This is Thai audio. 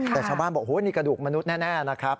แต่ชาวบ้านบอกโอ้นี่กระดูกมนุษย์แน่นะครับ